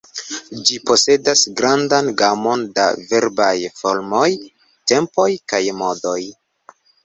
Ĝi posedas grandan gamon da verbaj formoj, tempoj kaj modoj.